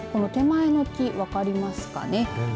手前の木、分かりますか。